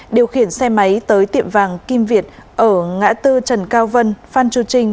điều khiển xe máy tới tiệm vàng kim việt ở ngã tư trần cao vân phan chu trinh